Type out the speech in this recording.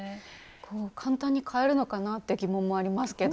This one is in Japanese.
簡単に買えるのかなって疑問もありますけど。